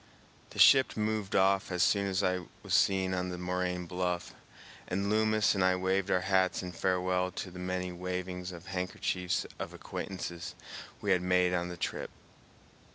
The ship moved off as soon as I was seen on the moraine bluff, and Loomis and I waved our hats in farewell to the many wavings of handkerchiefs of acquaintances we had made on the trip.